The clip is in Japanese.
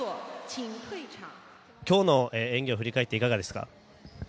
今日の演技を振り返っていかがですか？